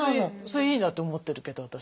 それいいなと思ってるけど私。